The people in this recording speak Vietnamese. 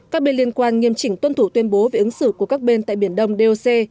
các bên liên quan nghiêm chỉnh tuân thủ tuyên bố về ứng xử của các bên tại biển đông doc